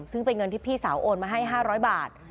ซึ่งเป็นเงินที่พี่สาวโอนมาให้๕๐๐บาท